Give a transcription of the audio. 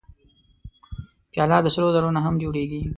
پیاله د سرو زرو نه هم جوړېږي.